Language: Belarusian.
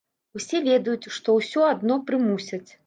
Усе ведаюць, што ўсё адно прымусяць.